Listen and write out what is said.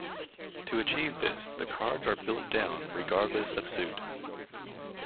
To achieve this, the cards are built down regardless of suit.